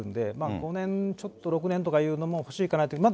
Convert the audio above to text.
５年ちょっと、６年とかいうのが欲しいかなと。